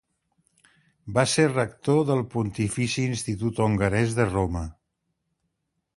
Va ser rector del Pontifici Institut Hongarés de Roma.